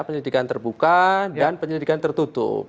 penyelidikan terbuka dan penyelidikan tertutup